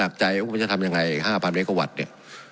หนักใจว่ามันจะทำยังไง๕๐๐๐เมกะวัตต์เนี่ย